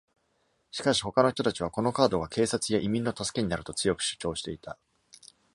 しかし、他の人たちは、このカードが警察や移民の助けになると強く主張していた。